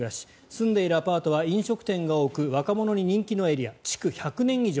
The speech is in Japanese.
住んでいるアパートは飲食店が多く若者に人気のエリア築１００年以上。